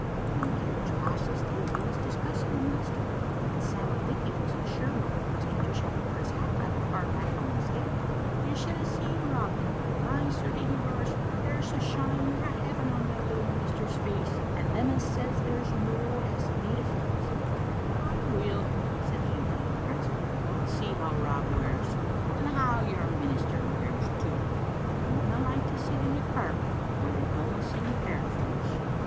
When the carriage passed this day we was discussing the minister, and Sam'l Dickie wasna sure but what Mr. Dishart wore hi3 hat rather far back on his head. You should have seen Rob. *My certie,' he roars, 'there's the shine frae Heaven on that little minister's face, and them as says there's no has me to fecht.'" "Ay, weel," said the U. P., rising, "we'll see how Rob wears — and how your minister wears too. I wouldna like to sit in a kirk whaur they dauma sing a paraphrase."